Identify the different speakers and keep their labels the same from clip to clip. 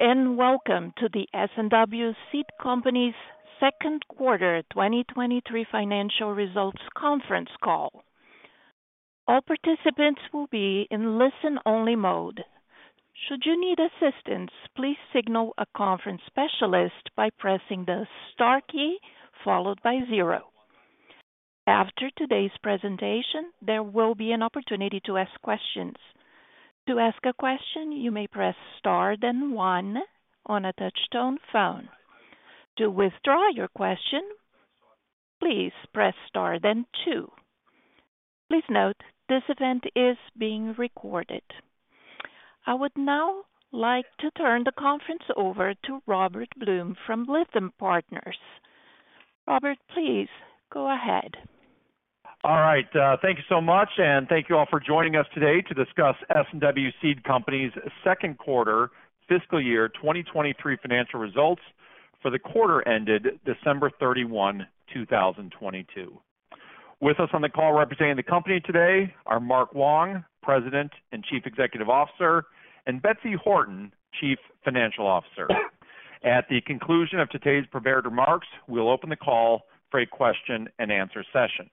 Speaker 1: Welcome to the S&W Seed Company's second quarter 2023 financial results conference call. All participants will be in listen-only mode. Should you need assistance, please signal a conference specialist by pressing the star key followed by zero. After today's presentation, there will be an opportunity to ask questions. To ask a question, you may press star then one on a touch-tone phone. To withdraw your question, please press star then two. Please note, this event is being recorded. I would now like to turn the conference over to Robert Blum from Lytham Partners. Robert, please go ahead.
Speaker 2: All right. Thank you so much, and thank you all for joining us today to discuss S&W Seed Company's second quarter fiscal year 2023 financial results for the quarter ended December 31, 2022. With us on the call representing the company today are Mark Wong, President and Chief Executive Officer, and Betsy Horton, Chief Financial Officer. At the conclusion of today's prepared remarks, we'll open the call for a question-and-answer session.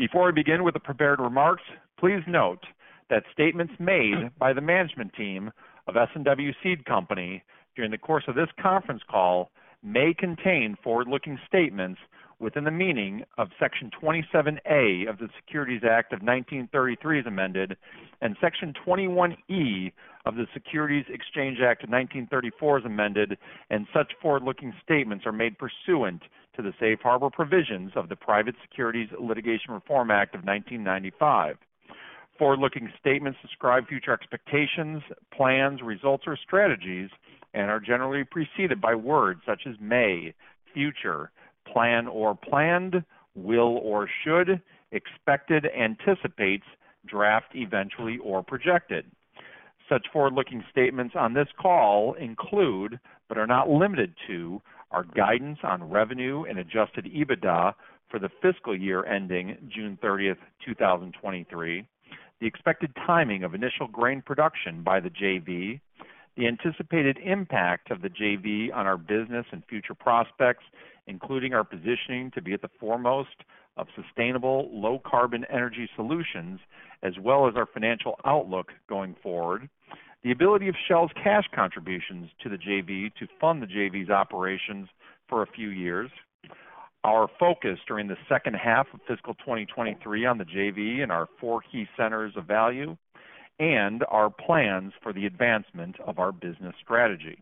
Speaker 2: Before we begin with the prepared remarks, please note that statements made by the management team of S&W Seed Company during the course of this conference call may contain forward-looking statements within the meaning of Section 27A of the Securities Act of 1933 as amended, and Section 21E of the Securities Exchange Act of 1934 as amended, and such forward-looking statements are made pursuant to the safe harbor provisions of the Private Securities Litigation Reform Act of 1995. Forward-looking statements describe future expectations, plans, results, or strategies and are generally preceded by words such as may, future, plan or planned, will or should, expected, anticipates, draft, eventually, or projected. Such forward-looking statements on this call include, but are not limited to, our guidance on revenue and adjusted EBITDA for the fiscal year ending June 30th, 2023, the expected timing of initial grain production by the JV, the anticipated impact of the JV on our business and future prospects, including our positioning to be at the foremost of sustainable low carbon energy solutions, as well as our financial outlook going forward, the ability of Shell's cash contributions to the JV to fund the JV's operations for a few years, our focus during the second half of fiscal 2023 on the JV and our four key centers of value, and our plans for the advancement of our business strategy.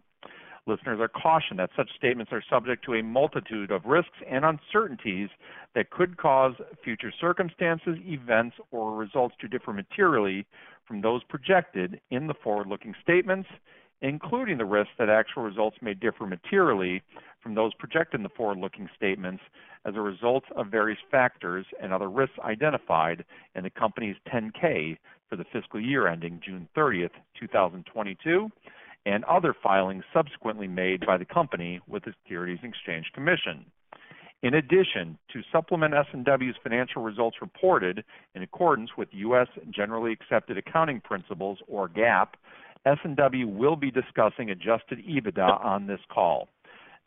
Speaker 2: Listeners are cautioned that such statements are subject to a multitude of risks and uncertainties that could cause future circumstances, events, or results to differ materially from those projected in the forward-looking statements, including the risk that actual results may differ materially from those projected in the forward-looking statements as a result of various factors and other risks identified in the company's 10-K for the fiscal year ending June 30th, 2022, and other filings subsequently made by the company with the Securities and Exchange Commission. In addition, to supplement S&W's financial results reported in accordance with U.S. generally accepted accounting principles or GAAP, S&W will be discussing adjusted EBITDA on this call.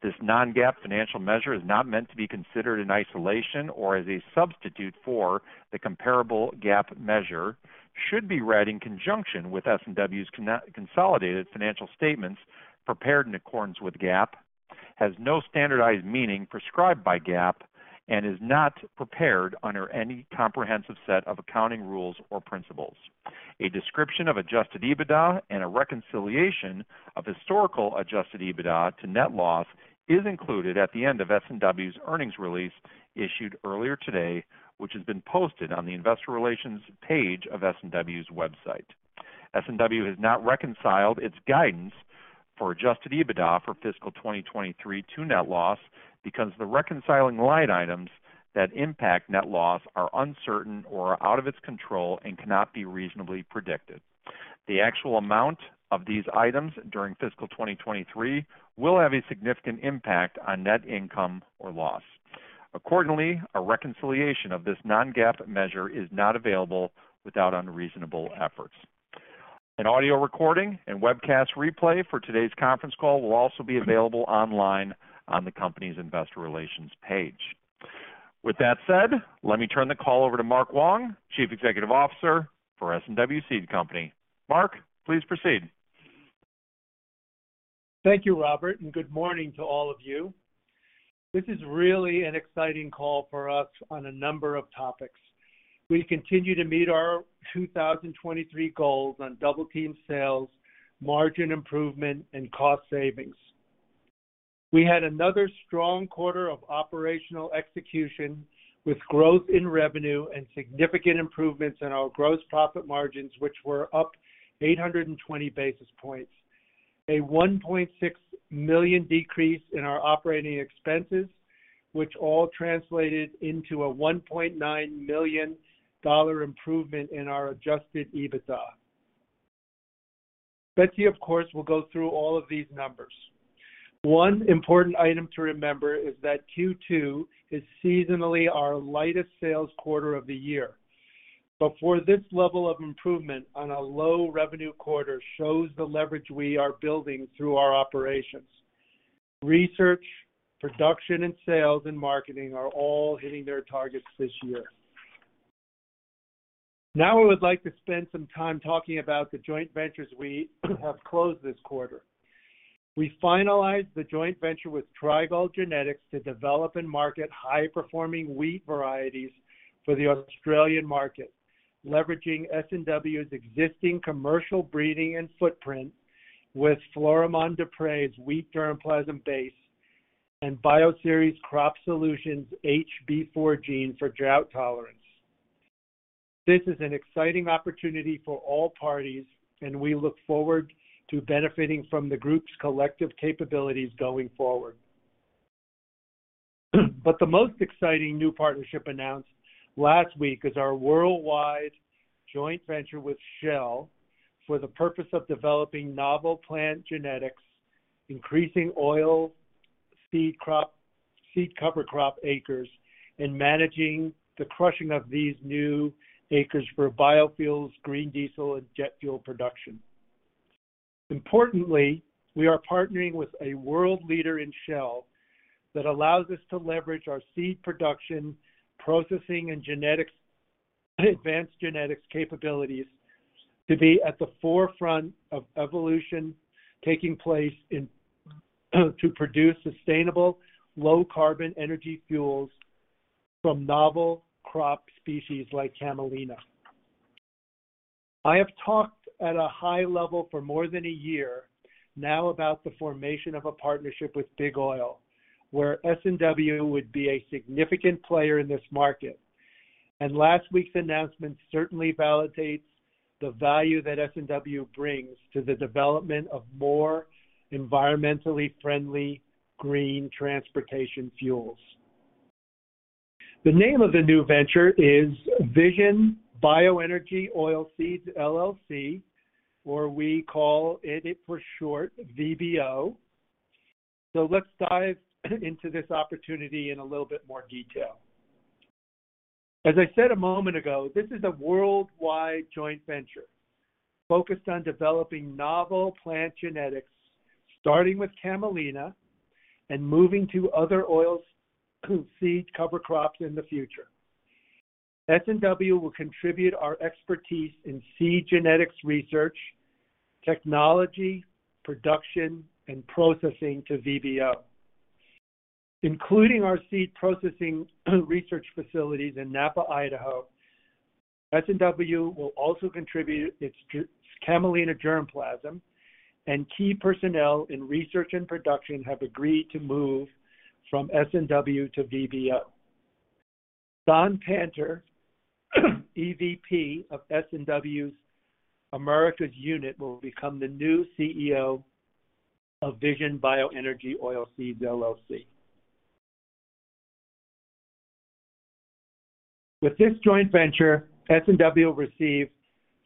Speaker 2: This non-GAAP financial measure is not meant to be considered in isolation or as a substitute for the comparable GAAP measure, should be read in conjunction with S&W's consolidated financial statements prepared in accordance with GAAP, has no standardized meaning prescribed by GAAP and is not prepared under any comprehensive set of accounting rules or principles. A description of adjusted EBITDA and a reconciliation of historical adjusted EBITDA to net loss is included at the end of S&W's earnings release issued earlier today, which has been posted on the investor relations page of S&W's website. S&W has not reconciled its guidance for adjusted EBITDA for fiscal 2023 to net loss because the reconciling line items that impact net loss are uncertain or out of its control and cannot be reasonably predicted. The actual amount of these items during fiscal 2023 will have a significant impact on net income or loss. Accordingly, a reconciliation of this non-GAAP measure is not available without unreasonable efforts. An audio recording and webcast replay for today's conference call will also be available online on the company's investor relations page. With that said, let me turn the call over to Mark Wong, Chief Executive Officer for S&W Seed Company. Mark, please proceed.
Speaker 3: Thank you, Robert, and good morning to all of you. This is really an exciting call for us on a number of topics. We continue to meet our 2023 goals on Double Team sales, margin improvement, and cost savings. We had another strong quarter of operational execution with growth in revenue and significant improvements in our gross profit margins, which were up 820 basis points. A $1.6 million decrease in our operating expenses, which all translated into a $1.9 million improvement in our adjusted EBITDA. Betsy, of course, will go through all of these numbers. One important item to remember is that Q2 is seasonally our lightest sales quarter of the year. For this level of improvement on a low revenue quarter shows the leverage we are building through our operations. Research, production, and sales and marketing are all hitting their targets this year. I would like to spend some time talking about the joint ventures we have closed this quarter. We finalized the joint venture with Trigall Genetics to develop and market high-performing wheat varieties for the Australian market, leveraging S&W's existing commercial breeding and footprint with Florimond Desprez wheat germplasm base and Bioceres Crop Solutions HB4 gene for drought tolerance. This is an exciting opportunity for all parties, and we look forward to benefiting from the group's collective capabilities going forward. The most exciting new partnership announced last week is our worldwide joint venture with Shell for the purpose of developing novel plant genetics, increasing seed cover crop acres, and managing the crushing of these new acres for biofuels, green diesel, and jet fuel production. Importantly, we are partnering with a world leader in Shell that allows us to leverage our seed production, processing, and genetics advanced genetics capabilities to be at the forefront of evolution, taking place to produce sustainable low carbon energy fuels from novel crop species like camelina. I have talked at a high level for more than a year now about the formation of a partnership with Big Oil, where S&W would be a significant player in this market. Last week's announcement certainly validates the value that S&W brings to the development of more environmentally friendly green transportation fuels. The name of the new venture is VISION Bioenergy Oilseeds LLC, or we call it for short, VBO. Let's dive into this opportunity in a little bit more detail. As I said a moment ago, this is a worldwide joint venture focused on developing novel plant genetics, starting with camelina and moving to other oilseed cover crops in the future. S&W will contribute our expertise in seed genetics research, technology, production, and processing to VBO. Including our seed processing research facilities in Nampa, Idaho, S&W will also contribute its camelina germplasm, and key personnel in research and production have agreed to move from S&W to VBO. Don Panter, EVP of S&W's Americas unit, will become the new CEO of VISION Bioenergy Oilseeds LLC. With this joint venture, S&W received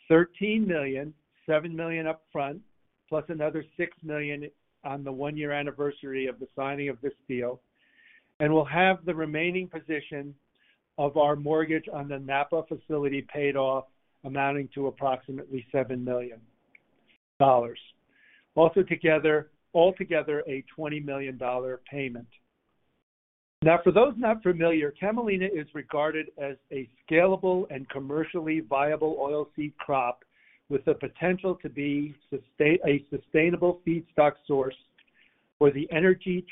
Speaker 3: $13 million, $7 million upfront, plus another $6 million on the one-year anniversary of the signing of this deal, and will have the remaining position of our mortgage on the Nampa facility paid off, amounting to approximately $7 million. Altogether a $20 million payment. For those not familiar, camelina is regarded as a scalable and commercially viable oilseed crop with the potential to be a sustainable feedstock source for the energy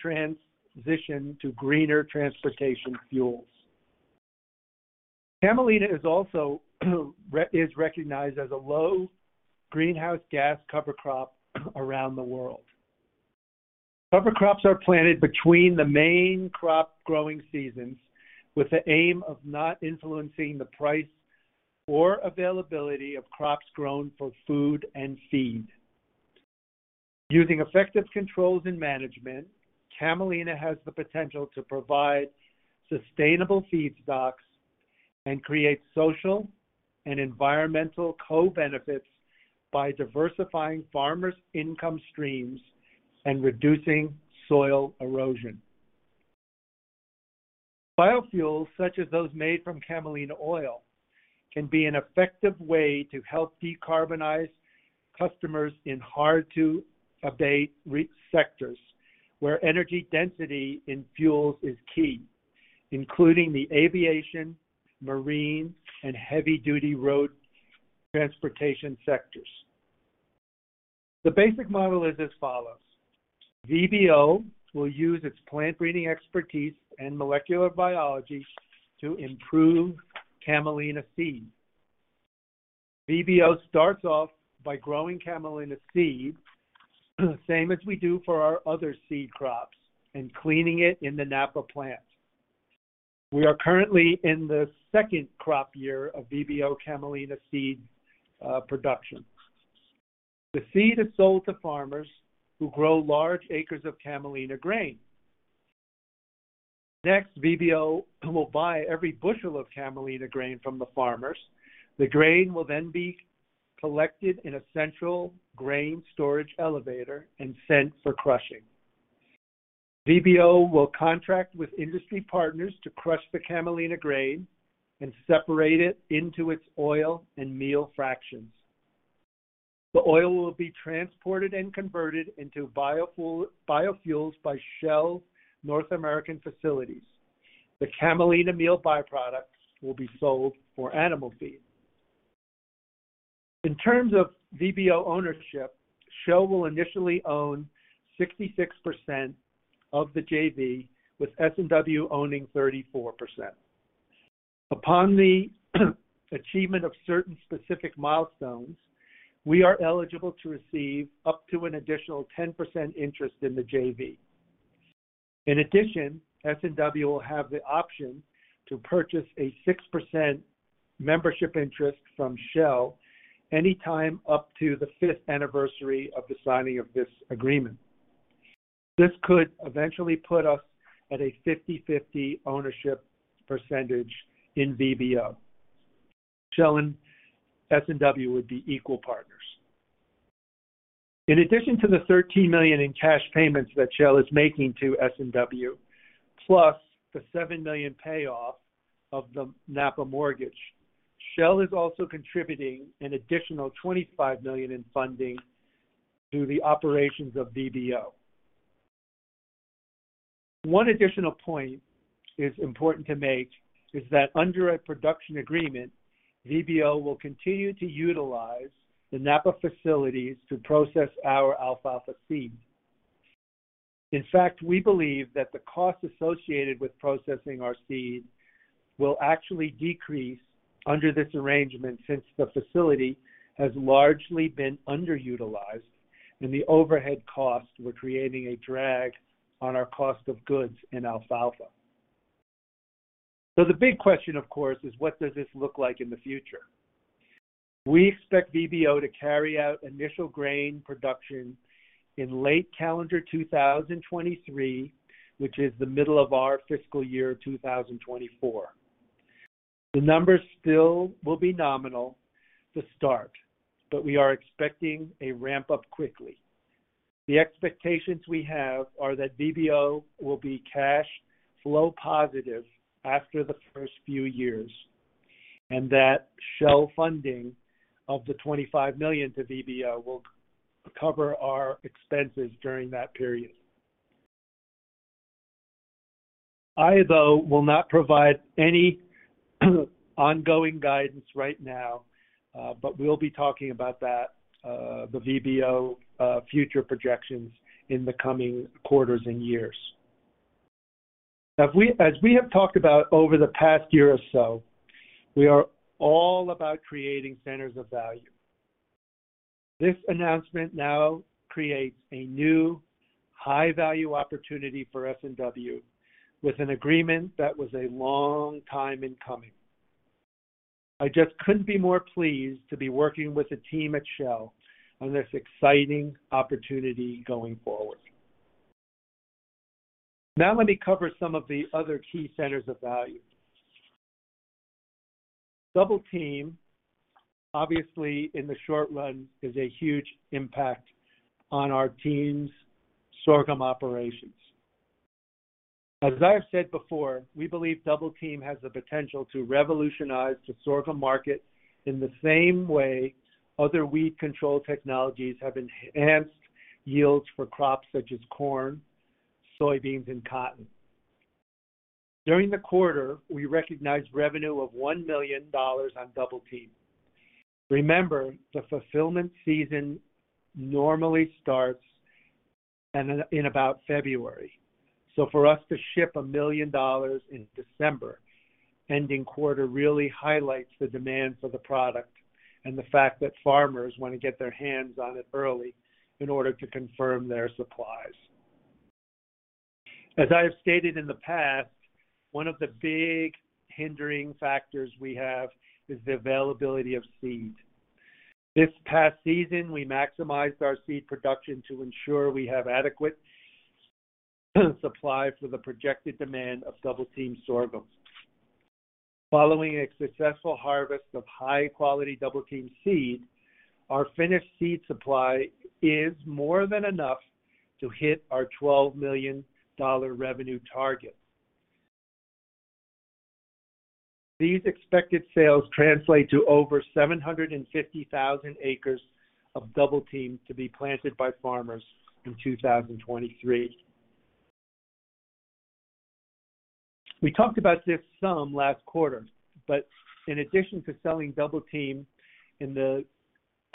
Speaker 3: transition to greener transportation fuels. Camelina is also recognized as a low greenhouse gas cover crop around the world. Cover crops are planted between the main crop growing seasons with the aim of not influencing the price or availability of crops grown for food and feed. Using effective controls and management, camelina has the potential to provide sustainable feedstocks and create social and environmental co-benefits by diversifying farmers' income streams and reducing soil erosion. Biofuels, such as those made from camelina oil, can be an effective way to help decarbonize customers in hard-to-abate sectors where energy density in fuels is key, including the aviation, marine, and heavy-duty road transportation sectors. The basic model is as follows. VBO will use its plant breeding expertise and molecular biology to improve camelina seed. VBO starts off by growing camelina seed, same as we do for our other seed crops, and cleaning it in the Nampa plant. We are currently in the second crop year of VBO camelina seed production. The seed is sold to farmers who grow large acres of camelina grain. Next, VBO will buy every bushel of camelina grain from the farmers. The grain will then be collected in a central grain storage elevator and sent for crushing. VBO will contract with industry partners to crush the camelina grain and separate it into its oil and meal fractions. The oil will be transported and converted into biofuels by Shell North American facilities. The camelina meal by-products will be sold for animal feed. In terms of VBO ownership, Shell will initially own 66% of the JV, with S&W owning 34%. Upon the achievement of certain specific milestones, we are eligible to receive up to an additional 10% interest in the JV. In addition, S&W will have the option to purchase a 6% membership interest from Shell any time up to the fifth anniversary of the signing of this agreement. This could eventually put us at a 50/50 ownership percentage in VBO. Shell and S&W would be equal partners. In addition to the $13 million in cash payments that Shell is making to S&W, plus the $7 million payoff of the Nampa mortgage, Shell is also contributing an additional $25 million in funding to the operations of VBO. One additional point is important to make is that under a production agreement, VBO will continue to utilize the Nampa facilities to process our alfalfa seed. In fact, we believe that the cost associated with processing our seed will actually decrease under this arrangement since the facility has largely been underutilized and the overhead costs were creating a drag on our cost of goods in alfalfa. The big question, of course, is what does this look like in the future? We expect VBO to carry out initial grain production in late calendar 2023, which is the middle of our fiscal year 2024. The numbers still will be nominal to start, but we are expecting a ramp-up quickly. The expectations we have are that VBO will be cash flow positive after the first few years. That Shell funding of the $25 million to VBO will cover our expenses during that period. I, though, will not provide any ongoing guidance right now, but we'll be talking about that, the VBO, future projections in the coming quarters and years. As we have talked about over the past year or so, we are all about creating centers of value. This announcement now creates a new high-value opportunity for S&W with an agreement that was a long time in coming. I just couldn't be more pleased to be working with the team at Shell on this exciting opportunity going forward. Let me cover some of the other key centers of value. Double Team, obviously in the short run, is a huge impact on our team's sorghum operations. As I have said before, we believe Double Team has the potential to revolutionize the sorghum market in the same way other weed control technologies have enhanced yields for crops such as corn, soybeans, and cotton. During the quarter, we recognized revenue of $1 million on Double Team. Remember, the fulfillment season normally starts in about February. For us to ship $1 million in December ending quarter really highlights the demand for the product and the fact that farmers want to get their hands on it early in order to confirm their supplies. As I have stated in the past, one of the big hindering factors we have is the availability of seed. This past season, we maximized our seed production to ensure we have adequate supply for the projected demand of Double Team sorghum. Following a successful harvest of high-quality Double Team seed, our finished seed supply is more than enough to hit our $12 million revenue target. These expected sales translate to over 750,000 acres of Double Team to be planted by farmers in 2023. In addition to selling Double Team in the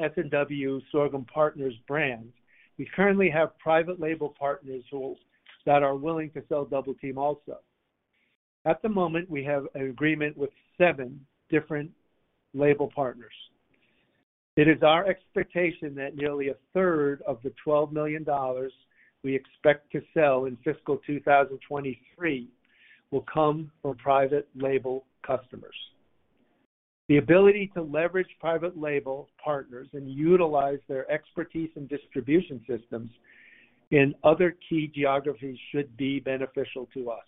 Speaker 3: S&W Sorghum Partners brand, we currently have private label partners that are willing to sell Double Team also. At the moment, we have an agreement with seven different label partners. It is our expectation that nearly 1/3 of the $12 million we expect to sell in fiscal 2023 will come from private label customers. The ability to leverage private label partners and utilize their expertise in distribution systems in other key geographies should be beneficial to us.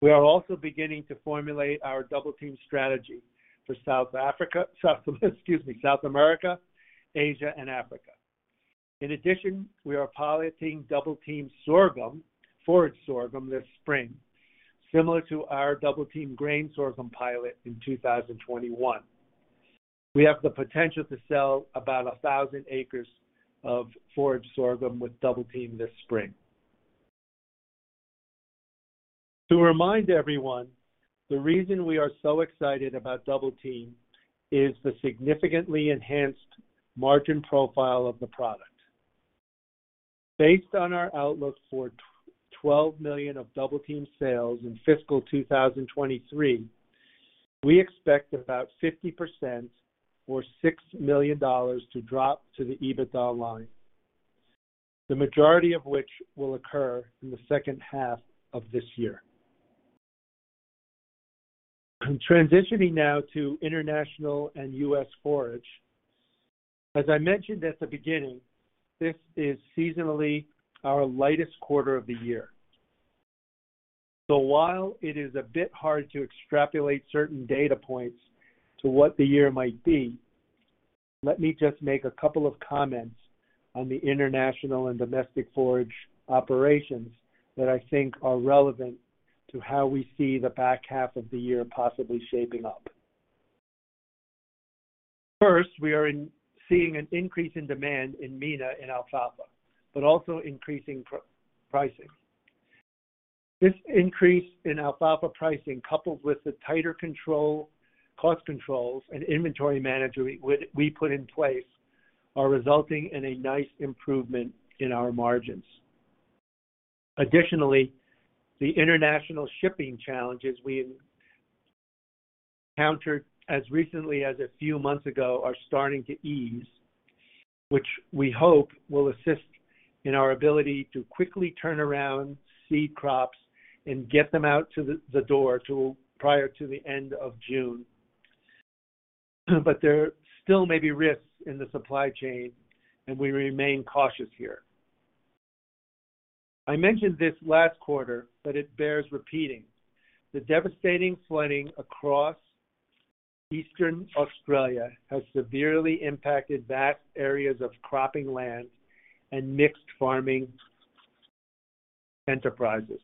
Speaker 3: We are also beginning to formulate our Double Team strategy for South Africa, South America, Asia, and Africa. In addition, we are piloting Double Team sorghum, forage sorghum this spring, similar to our Double Team grain sorghum pilot in 2021. We have the potential to sell about 1,000 acres of forage sorghum with Double Team this spring. To remind everyone, the reason we are so excited about Double Team is the significantly enhanced margin profile of the product. Based on our outlook for 12 million of Double Team sales in fiscal 2023, we expect about 50% or $6 million to drop to the EBITDA line, the majority of which will occur in the second half of this year. I'm transitioning now to international and U.S. forage. As I mentioned at the beginning, this is seasonally our lightest quarter of the year. While it is a bit hard to extrapolate certain data points to what the year might be, let me just make a couple of comments on the international and domestic forage operations that I think are relevant to how we see the back half of the year possibly shaping up. First, we are seeing an increase in demand in MENA in alfalfa, but also increasing pricing. This increase in alfalfa pricing, coupled with the tighter control, cost controls and inventory management we put in place, are resulting in a nice improvement in our margins. The international shipping challenges we encountered as recently as a few months ago are starting to ease, which we hope will assist in our ability to quickly turn around seed crops and get them out to the door prior to the end of June. There still may be risks in the supply chain, and we remain cautious here. I mentioned this last quarter, but it bears repeating. The devastating flooding across eastern Australia has severely impacted vast areas of cropping land and mixed farming enterprises.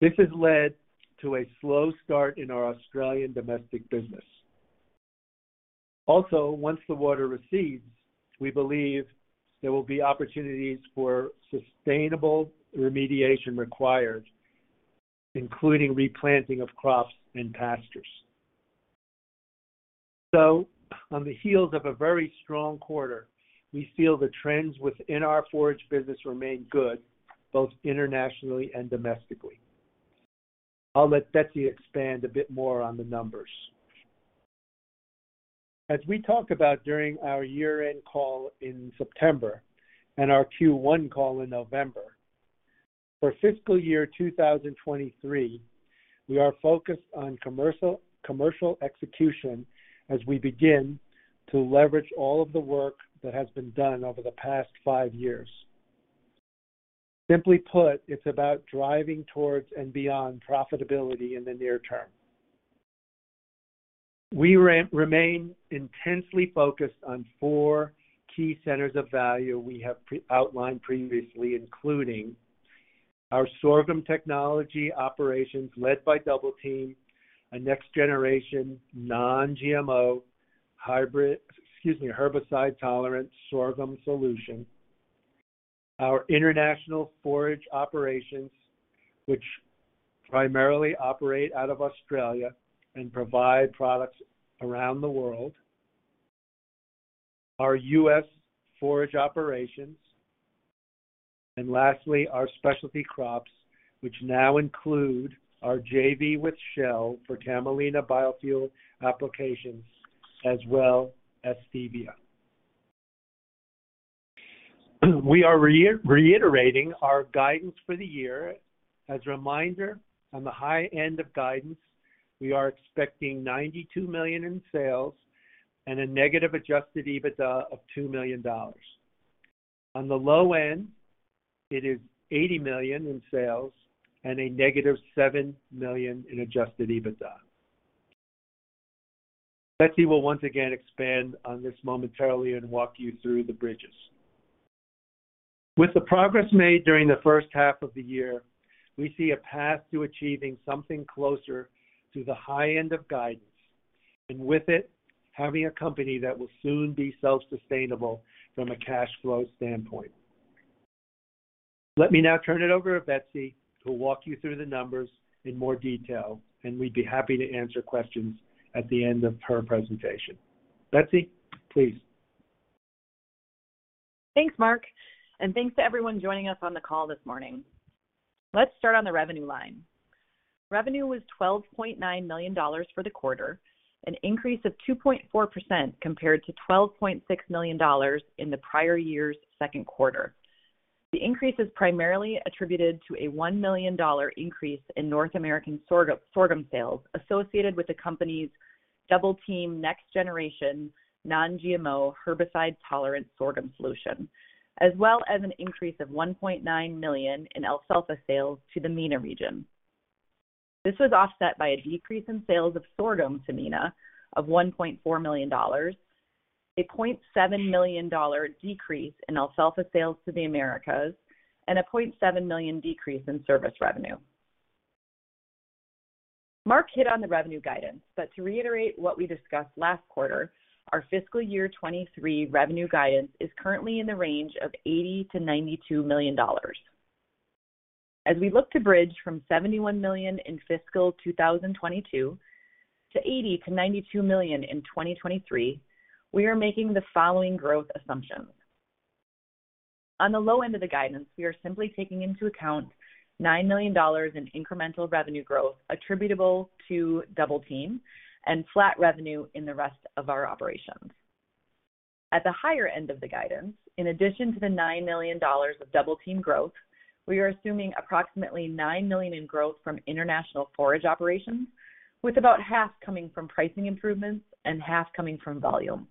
Speaker 3: This has led to a slow start in our Australian domestic business. Once the water recedes, we believe there will be opportunities for sustainable remediation required, including replanting of crops and pastures. On the heels of a very strong quarter, we feel the trends within our forage business remain good, both internationally and domestically. I'll let Betsy expand a bit more on the numbers. As we talked about during our year-end call in September and our Q1 call in November, for fiscal year 2023, we are focused on commercial execution as we begin to leverage all of the work that has been done over the past five years. Simply put, it's about driving towards and beyond profitability in the near term. We remain intensely focused on four key centers of value we have outlined previously, including our sorghum technology operations led by Double Team, a next generation non-GMO hybrid, excuse me, herbicide-tolerant sorghum solution. Our international forage operations, which primarily operate out of Australia and provide products around the world. Our U.S. forage operations. Lastly, our specialty crops, which now include our JV with Shell for camelina biofuel applications, as well as stevia. We are reiterating our guidance for the year. As a reminder, on the high end of guidance, we are expecting $92 million in sales and a negative adjusted EBITDA of $2 million. On the low end, it is $80 million in sales and a negative $7 million in adjusted EBITDA. Betsy will once again expand on this momentarily and walk you through the bridges. With the progress made during the first half of the year, we see a path to achieving something closer to the high end of guidance, and with it, having a company that will soon be self-sustainable from a cash flow standpoint. Let me now turn it over to Betsy, who'll walk you through the numbers in more detail, and we'd be happy to answer questions at the end of her presentation. Betsy, please.
Speaker 4: Thanks, Mark, thanks to everyone joining us on the call this morning. Let's start on the revenue line. Revenue was $12.9 million for the quarter, an increase of 2.4% compared to $12.6 million in the prior year's second quarter. The increase is primarily attributed to a $1 million increase in North American sorghum sales associated with the company's Double Team next-generation non-GMO herbicide-tolerant sorghum solution, as well as an increase of $1.9 million in alfalfa sales to the MENA region. This was offset by a decrease in sales of sorghum to MENA of $1.4 million, a $0.7 million decrease in alfalfa sales to the Americas, and a $0.7 million decrease in service revenue. Mark hit on the revenue guidance, to reiterate what we discussed last quarter, our fiscal year 2023 revenue guidance is currently in the range of $80 million-$92 million. As we look to bridge from $71 million in fiscal 2022 to $80 million-$92 million in 2023, we are making the following growth assumptions. On the low end of the guidance, we are simply taking into account $9 million in incremental revenue growth attributable to Double Team and flat revenue in the rest of our operations. At the higher end of the guidance, in addition to the $9 million of Double Team growth, we are assuming approximately $9 million in growth from international forage operations, with about half coming from pricing improvements and half coming from volume.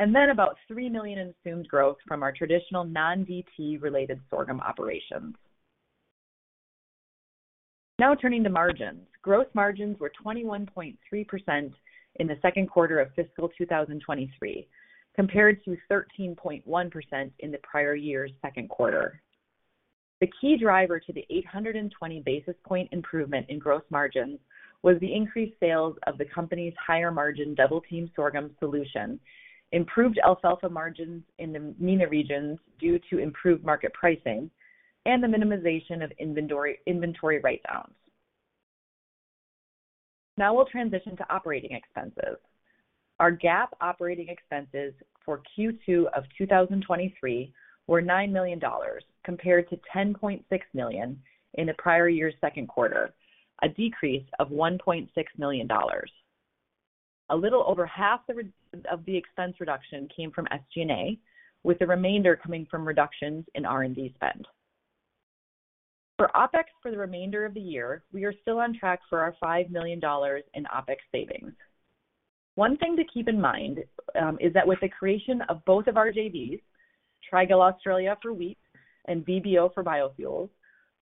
Speaker 4: About $3 million in assumed growth from our traditional non-DT-related sorghum operations. Turning to margins. Gross margins were 21.3% in the second quarter of fiscal 2023, compared to 13.1% in the prior year's second quarter. The key driver to the 820 basis point improvement in gross margins was the increased sales of the company's higher-margin Double Team sorghum solution, improved alfalfa margins in the MENA regions due to improved market pricing, and the minimization of inventory write-downs. We'll transition to operating expenses. Our GAAP operating expenses for Q2 of 2023 were $9 million, compared to $10.6 million in the prior year's second quarter, a decrease of $1.6 million. A little over half of the expense reduction came from SG&A, with the remainder coming from reductions in R&D spend. For OpEx for the remainder of the year, we are still on track for our $5 million in OpEx savings. One thing to keep in mind, is that with the creation of both of our JVs, Trigall Australia for wheat and VBO for biofuels,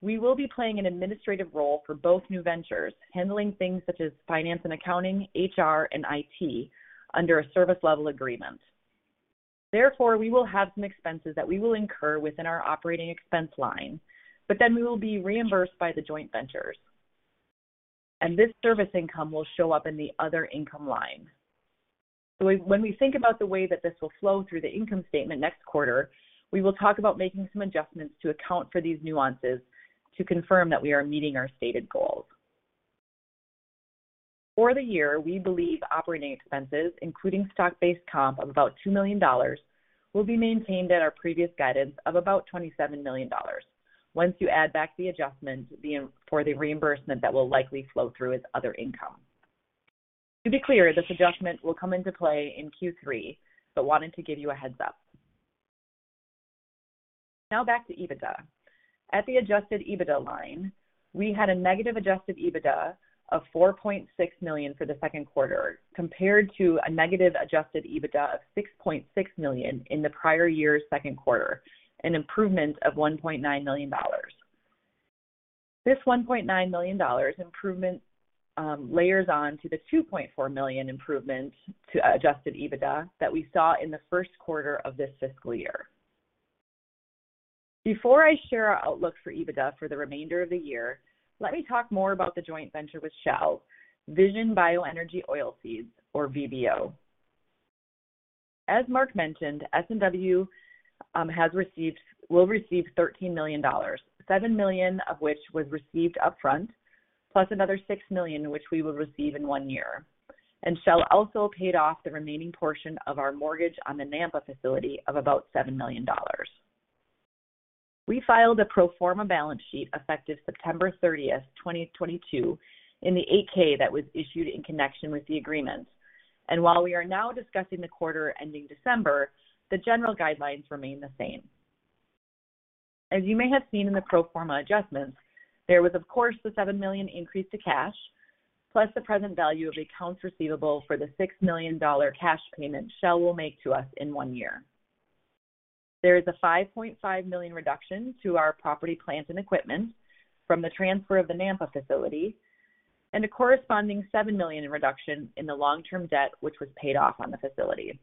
Speaker 4: we will be playing an administrative role for both new ventures, handling things such as finance and accounting, HR, and IT under a service level agreement. Therefore, we will have some expenses that we will incur within our operating expense line, but then we will be reimbursed by the joint ventures. This service income will show up in the other income line. When we think about the way that this will flow through the income statement next quarter, we will talk about making some adjustments to account for these nuances to confirm that we are meeting our stated goals. For the year, we believe operating expenses, including stock-based comp of about $2 million, will be maintained at our previous guidance of about $27 million once you add back the adjustment for the reimbursement that will likely flow through as other income. To be clear, this adjustment will come into play in Q3, but wanted to give you a heads-up. Back to EBITDA. At the adjusted EBITDA line, we had a negative adjusted EBITDA of $4.6 million for the second quarter, compared to a negative adjusted EBITDA of $6.6 million in the prior year's second quarter, an improvement of $1.9 million. This $1.9 million improvement layers on to the $2.4 million improvement to adjusted EBITDA that we saw in the first quarter of this fiscal year. Before I share our outlook for EBITDA for the remainder of the year, let me talk more about the joint venture with Shell, VISION Bioenergy Oilseeds, or VBO. As Mark mentioned, S&W will receive $13 million, $7 million of which was received upfront, plus another $6 million which we will receive in one year. Shell also paid off the remaining portion of our mortgage on the Nampa facility of about $7 million. We filed a pro forma balance sheet effective September 30th, 2022 in the 8-K that was issued in connection with the agreement. While we are now discussing the quarter ending December, the general guidelines remain the same. As you may have seen in the pro forma adjustments, there was of course the $7 million increase to cash, plus the present value of accounts receivable for the $6 million cash payment Shell will make to us in one year. There is a $5.5 million reduction to our property, plant, and equipment from the transfer of the Nampa facility, and a corresponding $7 million in reduction in the long-term debt which was paid off on the facility.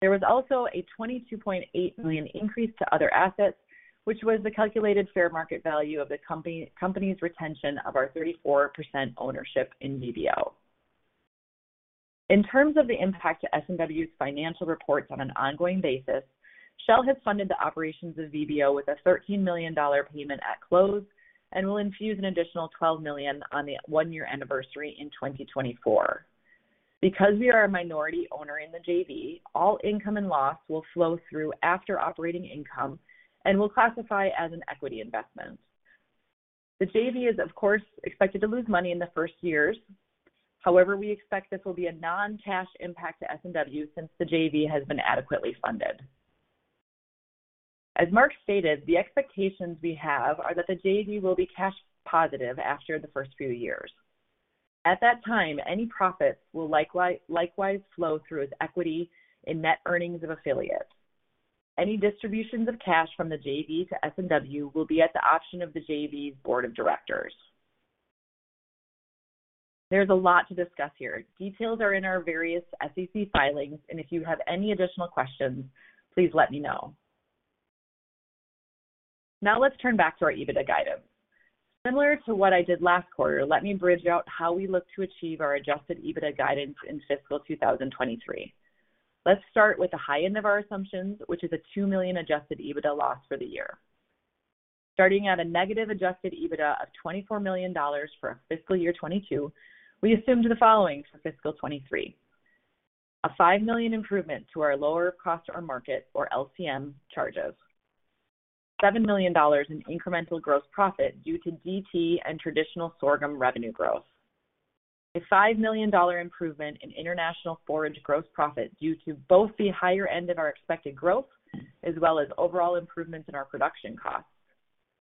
Speaker 4: There was also a $22.8 million increase to other assets, which was the calculated fair market value of the company's retention of our 34% ownership in VBO. In terms of the impact to S&W's financial reports on an ongoing basis, Shell has funded the operations of VBO with a $13 million payment at close and will infuse an additional $12 million on the one-year anniversary in 2024. Because we are a minority owner in the JV, all income and loss will flow through after operating income and will classify as an equity investment. The JV is of course expected to lose money in the first years. However, we expect this will be a non-cash impact to S&W since the JV has been adequately funded. As Mark stated, the expectations we have are that the JV will be cash positive after the first few years. At that time, any profits will likewise flow through as equity in net earnings of affiliates. Any distributions of cash from the JV to S&W will be at the option of the JV's board of directors. There's a lot to discuss here. Details are in our various SEC filings. If you have any additional questions, please let me know. Let's turn back to our EBITDA guidance. Similar to what I did last quarter, let me bridge out how we look to achieve our adjusted EBITDA guidance in fiscal 2023. Let's start with the high end of our assumptions, which is a $2 million adjusted EBITDA loss for the year. Starting at a negative adjusted EBITDA of $24 million for our fiscal year 2022, we assumed the following for fiscal 2023: A $5 million improvement to our lower cost or market, or LCM charges. $7 million in incremental gross profit due to DT and traditional sorghum revenue growth. A $5 million improvement in international forage gross profit due to both the higher end of our expected growth as well as overall improvements in our production costs.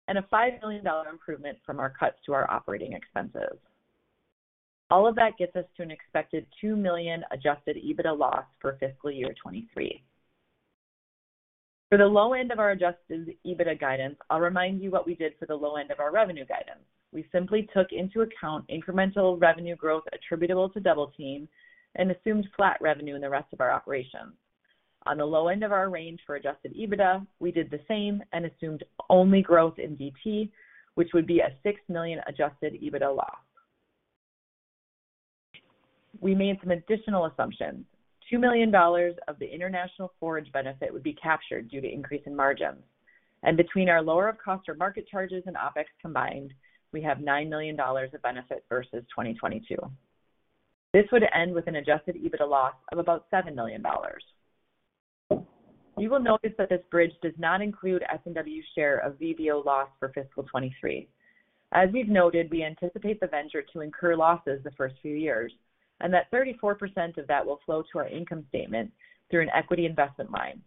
Speaker 4: A $5 million improvement from our cuts to our operating expenses. All of that gets us to an expected $2 million adjusted EBITDA loss for fiscal year 2023. For the low end of our adjusted EBITDA guidance, I'll remind you what we did for the low end of our revenue guidance. We simply took into account incremental revenue growth attributable to Double Team and assumed flat revenue in the rest of our operations. On the low end of our range for adjusted EBITDA, we did the same and assumed only growth in DT, which would be a $6 million adjusted EBITDA loss. We made some additional assumptions. $2 million of the international forage benefit would be captured due to increase in margins. Between our lower of cost or market charges and OpEx combined, we have $9 million of benefit versus 2022. This would end with an adjusted EBITDA loss of about $7 million. You will notice that this bridge does not include S&W's share of VBO loss for fiscal 2023. As we've noted, we anticipate the venture to incur losses the first few years, and that 34% of that will flow to our income statement through an equity investment line.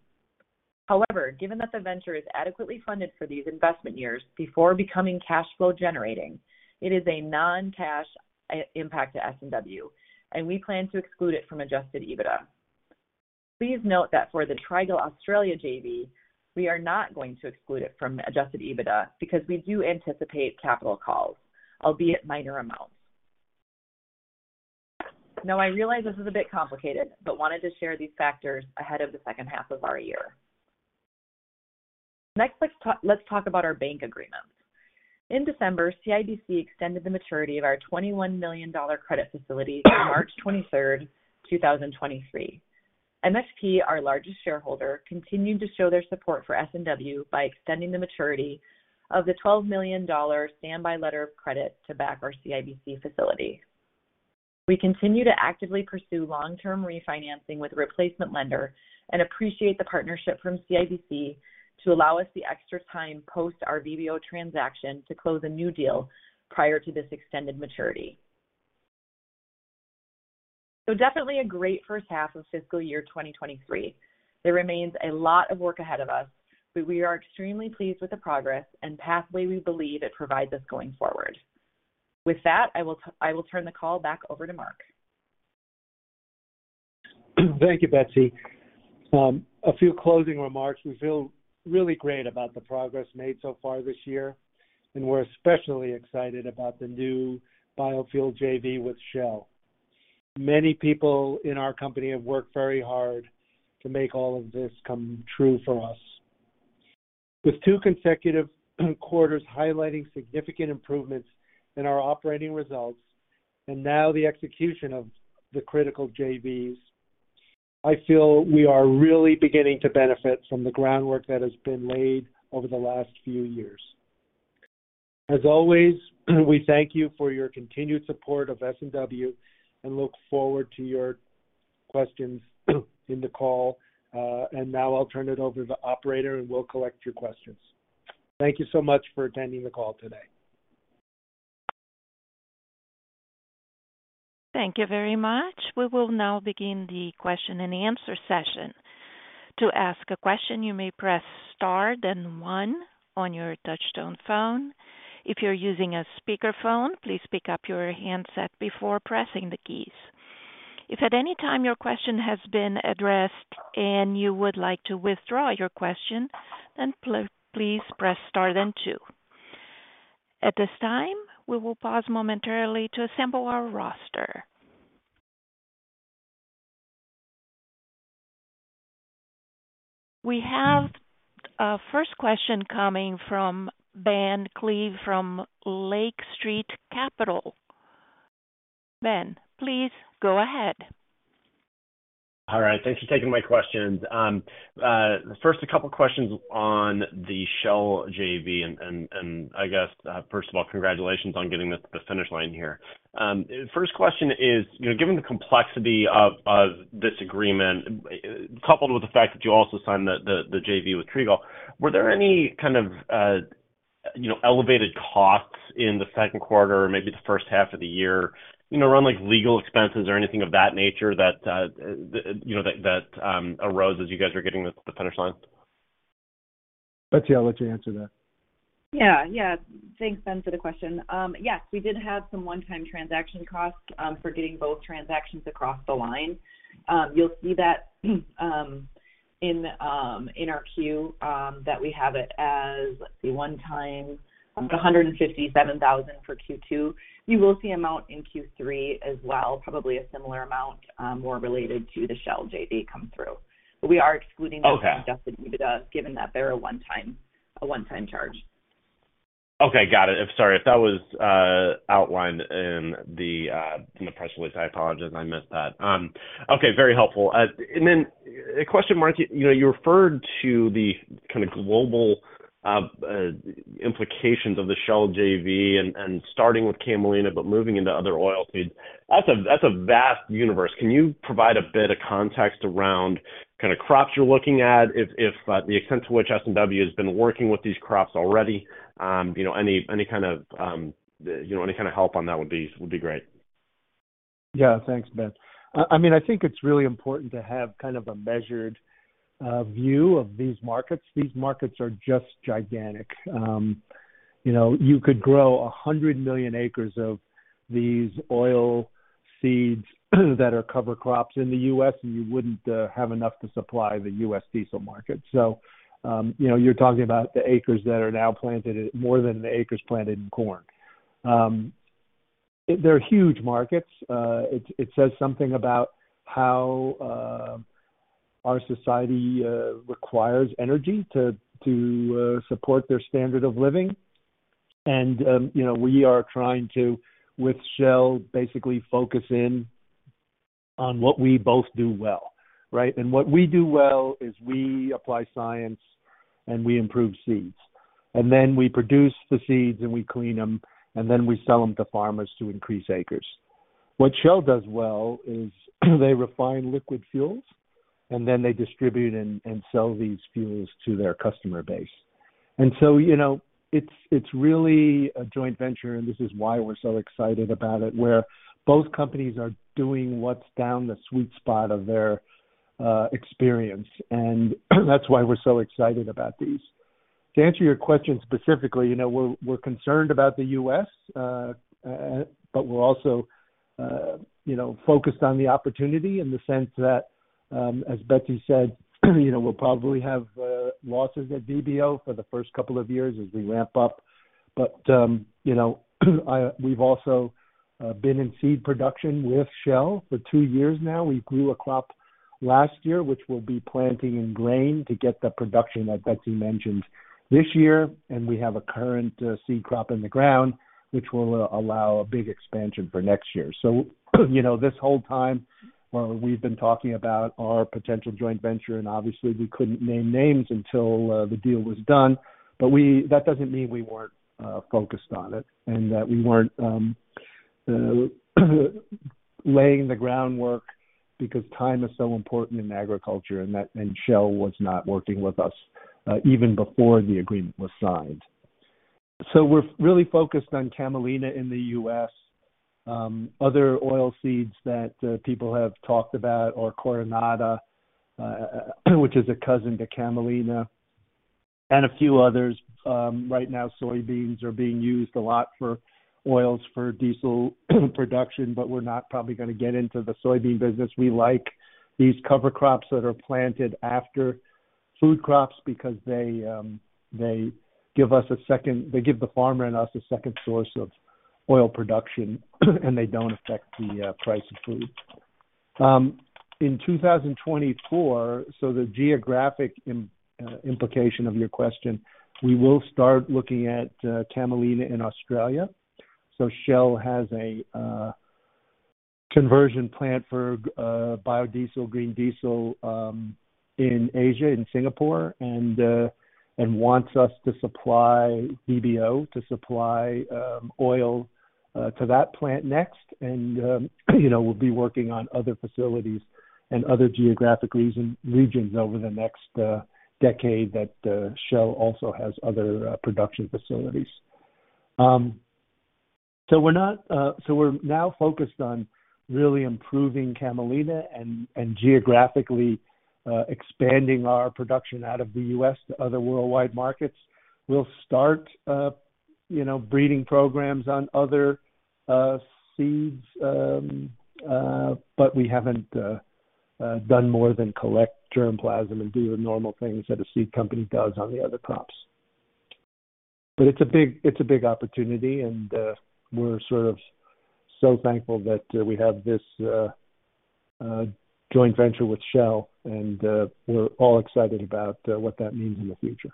Speaker 4: Given that the venture is adequately funded for these investment years before becoming cash flow generating, it is a non-cash impact to S&W, and we plan to exclude it from adjusted EBITDA. Please note that for the Trigall Australia JV, we are not going to exclude it from adjusted EBITDA because we do anticipate capital calls, albeit minor amounts. I realize this is a bit complicated, but wanted to share these factors ahead of the second half of our year. Next, let's talk about our bank agreements. In December, CIBC extended the maturity of our $21 million credit facility to March 23rd, 2023. MSP, our largest shareholder, continued to show their support for S&W by extending the maturity of the $12 million standby letter of credit to back our CIBC facility. We continue to actively pursue long-term refinancing with a replacement lender and appreciate the partnership from CIBC to allow us the extra time post our VBO transaction to close a new deal prior to this extended maturity. Definitely a great first half of fiscal year 2023. There remains a lot of work ahead of us, but we are extremely pleased with the progress and pathway we believe it provides us going forward. With that, I will turn the call back over to Mark.
Speaker 3: Thank you, Betsy. A few closing remarks. We feel really great about the progress made so far this year, and we're especially excited about the new biofuel JV with Shell. Many people in our company have worked very hard to make all of this come true for us. With two consecutive quarters highlighting significant improvements in our operating results and now the execution of the critical JVs, I feel we are really beginning to benefit from the groundwork that has been laid over the last few years. As always, we thank you for your continued support of S&W and look forward to your questions in the call. Now I'll turn it over to the operator, and we'll collect your questions. Thank you so much for attending the call today.
Speaker 1: Thank you very much. We will now begin the question and answer session. To ask a question, you may press star then one on your touchtone phone. If you're using a speakerphone, please pick up your handset before pressing the keys. If at any time your question has been addressed and you would like to withdraw your question, please press star then two. At this time, we will pause momentarily to assemble our roster. We have a first question coming from Ben Klieve from Lake Street Capital. Ben, please go ahead.
Speaker 5: All right. Thanks for taking my questions. First a couple questions on the Shell JV and I guess, first of all, congratulations on getting this to the finish line here. First question is, you know, given the complexity of this agreement, coupled with the fact that you also signed the JV with Trigall, were there any kind of You know, elevated costs in the second quarter, maybe the first half of the year, you know, around like legal expenses or anything of that nature that, you know, that arose as you guys are getting this to the finish line.
Speaker 3: Betsy, I'll let you answer that.
Speaker 4: Yeah. Yeah. Thanks, Ben, for the question. Yes, we did have some one-time transaction costs, for getting both transactions across the line. You'll see that, in our Q, that we have it as, let's see, one time, $157,000 for Q2. You will see amount in Q3 as well, probably a similar amount, more related to the Shell JV come through. We are excluding-
Speaker 5: Okay.
Speaker 4: that from adjusted EBITDA given that they're a one-time charge.
Speaker 5: Got it. If, sorry, if that was outlined in the press release, I apologize, I missed that. Okay, very helpful. A question mark, you know, you referred to the kind of global implications of the Shell JV and starting with camelina, but moving into other oilseeds. That's a vast universe. Can you provide a bit of context around kind of crops you're looking at, if the extent to which S&W has been working with these crops already? You know, any kind of, you know, any kind of help on that would be great.
Speaker 3: Thanks, Ben. I mean, I think it's really important to have kind of a measured view of these markets. These markets are just gigantic. You know, you could grow 100 million acres of these oil seeds that are cover crops in the U.S., and you wouldn't have enough to supply the U.S. diesel market. You know, you're talking about the acres that are now planted at more than the acres planted in corn. They're huge markets. It says something about how our society requires energy to support their standard of living. You know, we are trying to, with Shell, basically focus in on what we both do well, right? What we do well is we apply science, and we improve seeds. Then we produce the seeds, and we clean them, and then we sell them to farmers to increase acres. What Shell does well is they refine liquid fuels, and then they distribute and sell these fuels to their customer base. So, you know, it's really a joint venture, and this is why we're so excited about it, where both companies are doing what's down the sweet spot of their experience. That's why we're so excited about these. To answer your question specifically, you know, we're concerned about the U.S., but we're also, you know, focused on the opportunity in the sense that, as Betsy said, you know, we'll probably have losses at VBO for the first couple of years as we ramp up. You know, we've also been in seed production with Shell for two years now. We grew a crop last year, which we'll be planting in grain to get the production that Betsy mentioned this year. We have a current seed crop in the ground, which will allow a big expansion for next year. You know, this whole time where we've been talking about our potential joint venture, and obviously we couldn't name names until the deal was done, but that doesn't mean we weren't focused on it and that we weren't laying the groundwork because time is so important in agriculture and Shell was not working with us even before the agreement was signed. We're really focused on camelina in the U.S. Other oil seeds that people have talked about are carinata, which is a cousin to camelina, and a few others. Right now, soybeans are being used a lot for oils for diesel production, but we're not probably gonna get into the soybean business. We like these cover crops that are planted after food crops because they give the farmer and us a second source of oil production, and they don't affect the price of food. In 2024, so the geographic implication of your question, we will start looking at camelina in Australia. Shell has a conversion plant for biodiesel, green diesel, in Asia, in Singapore, and wants us to supply VBO, to supply oil to that plant next. You know, we'll be working on other facilities and other geographic regions over the next decade that Shell also has other production facilities. We're now focused on really improving camelina and geographically expanding our production out of the U.S. to other worldwide markets. We'll start, you know, breeding programs on other seeds, but we haven't done more than collect germplasm and do the normal things that a seed company does on the other crops. It's a big opportunity, and we're sort of so thankful that we have this joint venture with Shell, and we're all excited about what that means in the future.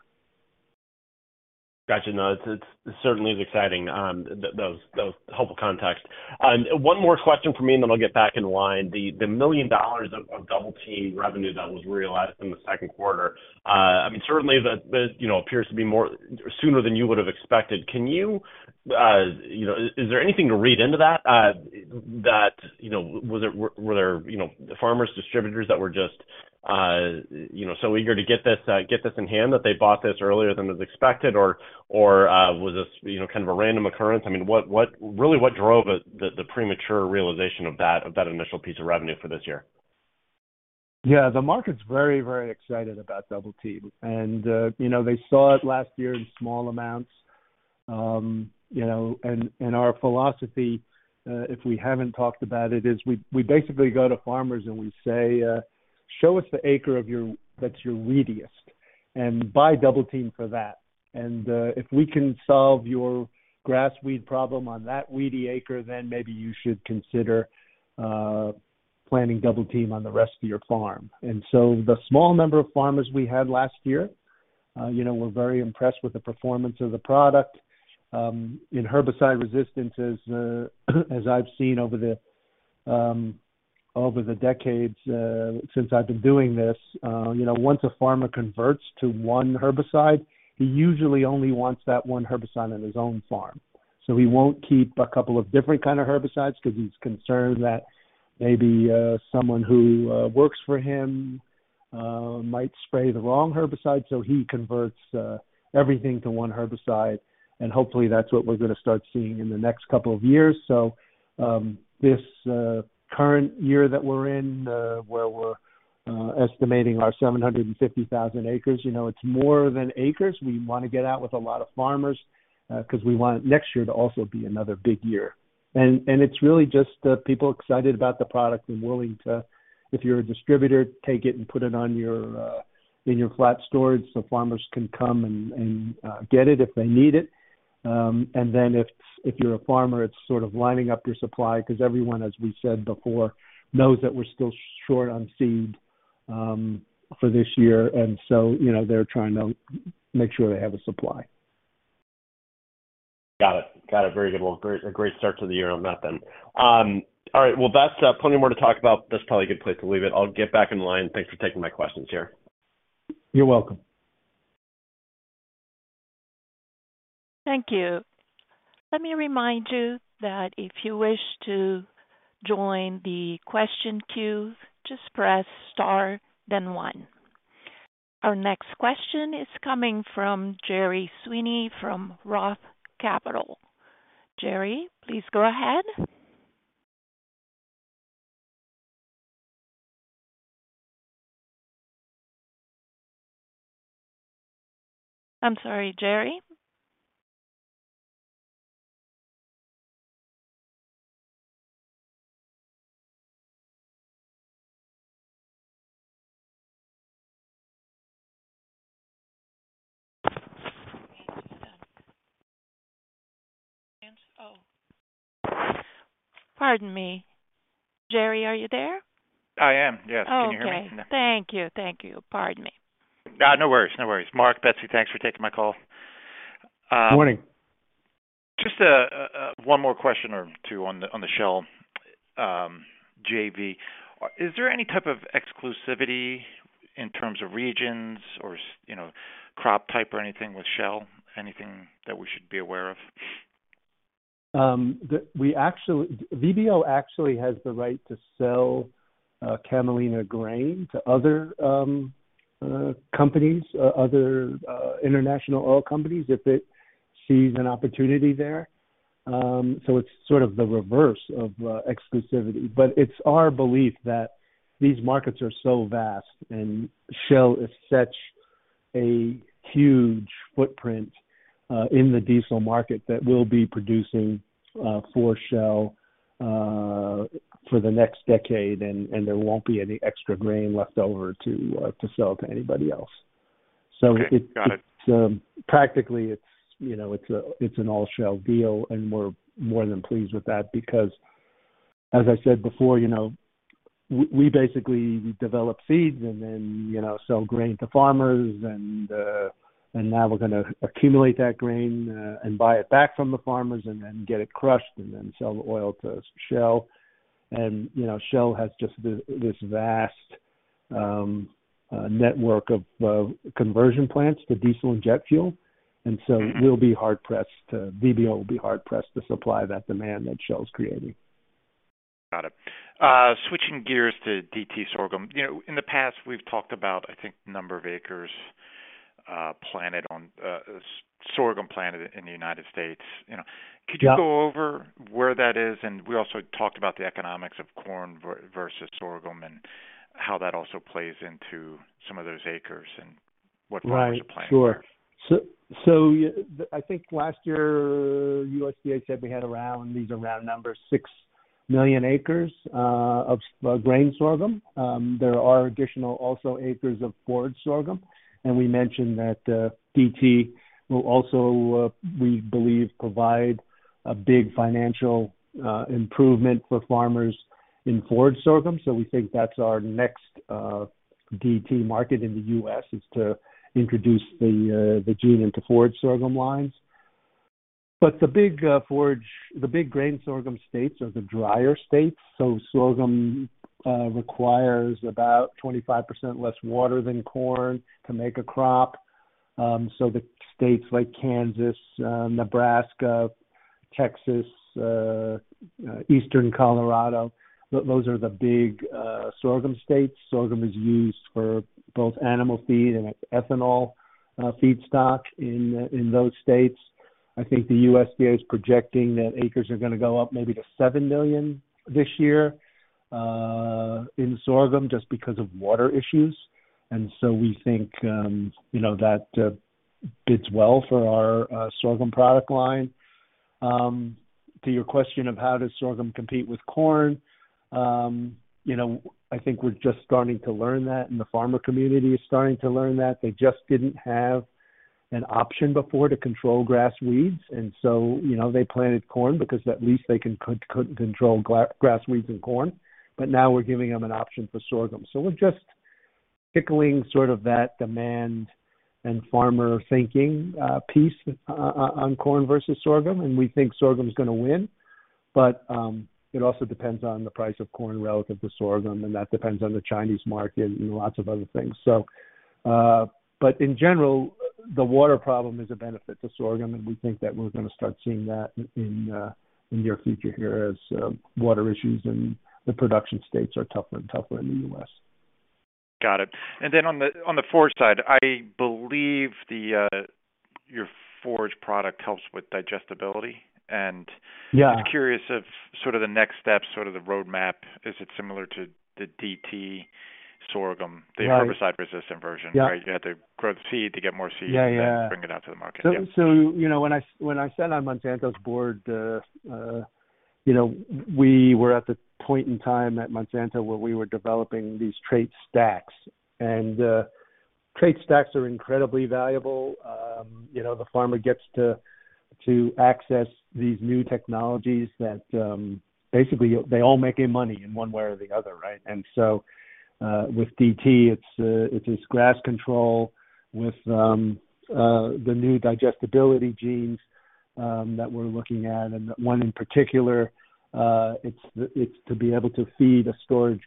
Speaker 5: Got you. It certainly is exciting. Those helpful context. One more question for me, then I'll get back in line. The $1 million of Double Team revenue that was realized in the second quarter, I mean, certainly that, you know, appears to be sooner than you would have expected. Can you know? Is there anything to read into that? That, you know, were there, you know, farmers, distributors that were, you know, so eager to get this, get this in hand that they bought this earlier than was expected? Was this, you know, kind of a random occurrence? I mean, what really what drove it, the premature realization of that initial piece of revenue for this year?
Speaker 3: Yeah, the market's very, very excited about Double Team. You know, they saw it last year in small amounts. You know, our philosophy, if we haven't talked about it, is we basically go to farmers and we say, "Show us the acre of your that's your weediest and buy Double Team for that. If we can solve your grass weed problem on that weedy acre, then maybe you should consider planting Double Team on the rest of your farm." The small number of farmers we had last year, you know, were very impressed with the performance of the product. In herbicide resistance as I've seen over the decades, since I've been doing this, you know, once a farmer converts to one herbicide, he usually only wants that one herbicide on his own farm. He won't keep a couple of different kind of herbicides because he's concerned that maybe someone who works for him might spray the wrong herbicide. He converts everything to one herbicide, and hopefully that's what we're going to start seeing in the next couple of years. This current year that we're in, where we're estimating our 750,000 acres, you know, it's more than acres. We want to get out with a lot of farmers because we want next year to also be another big year. It's really just people excited about the product and willing to, if you're a distributor, take it and put it on your in your flat storage so farmers can come and get it if they need it. If you're a farmer, it's sort of lining up your supply because everyone, as we said before, knows that we're still short on seed for this year. You know, they're trying to make sure they have a supply.
Speaker 5: Got it. Got it. Very good. A great start to the year on that then. all right, that's plenty more to talk about. That's probably a good place to leave it. I'll get back in line. Thanks for taking my questions, Mark.
Speaker 3: You're welcome.
Speaker 1: Thank you. Let me remind you that if you wish to join the question queue, just press star then one. Our next question is coming from Gerry Sweeney from ROTH Capital. Gerry, please go ahead. I'm sorry, Gerry? Pardon me. Gerry, are you there?
Speaker 6: I am, yes. Can you hear me?
Speaker 1: Okay. Thank you. Thank you. Pardon me.
Speaker 6: Yeah, no worries. No worries. Mark, Betsy, thanks for taking my call.
Speaker 3: Morning.
Speaker 6: Just, one more question or two on the Shell JV. Is there any type of exclusivity in terms of regions or you know, crop type or anything with Shell? Anything that we should be aware of?
Speaker 3: VBO actually has the right to sell camelina grain to other companies, other international oil companies if it sees an opportunity there. It's sort of the reverse of exclusivity. It's our belief that these markets are so vast and Shell is such a huge footprint in the diesel market that we'll be producing for Shell for the next decade, and there won't be any extra grain left over to sell to anybody else.
Speaker 6: Okay. Got it.
Speaker 3: It, practically, it's, you know, it's a, it's an all Shell deal, and we're more than pleased with that because as I said before, you know, we basically develop seeds and then, you know, sell grain to farmers and now we're gonna accumulate that grain and buy it back from the farmers and then get it crushed and then sell the oil to Shell. Shell has just this vast network of conversion plants to diesel and jet fuel. VBO will be hard pressed to supply that demand that Shell is creating.
Speaker 6: Got it. Switching gears to DT sorghum. You know, in the past, we've talked about, I think, number of acres planted on sorghum planted in the United States, you know.
Speaker 3: Yeah.
Speaker 6: Could you go over where that is? We also talked about the economics of corn versus sorghum and how that also plays into some of those acres and what farmers are planting.
Speaker 3: Right. Sure. I think last year, USDA said we had around, these are round numbers, 6 million acres of grain sorghum. There are additional also acres of forage sorghum. We mentioned that DT will also, we believe, provide a big financial improvement for farmers in forage sorghum. We think that's our next DT market in the U.S., is to introduce the gene into forage sorghum lines. The big forage, the big grain sorghum states are the drier states. Sorghum requires about 25% less water than corn to make a crop. The states like Kansas, Nebraska-Texas, Eastern Colorado. Those are the big sorghum states. Sorghum is used for both animal feed and ethanol feedstock in those states. I think the USDA is projecting that acres are gonna go up maybe to 7 million this year, in sorghum just because of water issues. We think, you know, that bids well for our sorghum product line. To your question of how does sorghum compete with corn, you know, I think we're just starting to learn that, and the farmer community is starting to learn that. They just didn't have an option before to control grass weeds. You know, they planted corn because at least they can control grass weeds and corn. Now we're giving them an option for sorghum. We're just tickling sort of that demand and farmer thinking, piece on corn versus sorghum, and we think sorghum is gonna win. It also depends on the price of corn relative to sorghum, and that depends on the Chinese market and lots of other things. In general, the water problem is a benefit to sorghum, and we think that we're gonna start seeing that in the near future here as water issues in the production states are tougher and tougher in the U.S.
Speaker 6: Got it. On the forage side, I believe your forage product helps with digestibility.
Speaker 3: Yeah.
Speaker 6: Just curious if sort of the next step, sort of the roadmap, is it similar to the DT sorghum?
Speaker 3: Right.
Speaker 6: The herbicide-resistant version.
Speaker 3: Yeah.
Speaker 6: Right? You have to grow the seed to get more seed-
Speaker 3: Yeah, yeah.
Speaker 6: bring it out to the market. Yeah.
Speaker 3: You know, when I sat on Monsanto's board, you know, we were at the point in time at Monsanto where we were developing these trait stacks. Trait stacks are incredibly valuable. You know, the farmer gets to access these new technologies that basically they all make him money in one way or the other, right? With DT, it's grass control. With the new digestibility genes that we're looking at, and one in particular, it's to be able to feed a forage